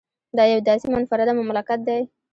دا یو داسې منفرده مملکت دی